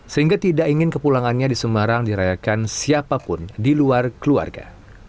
sehingga tidak ingin kepulangannya di semarang dirayakan siapapun di luar keluarga